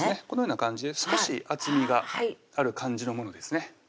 このような感じで少し厚みがある感じのものですね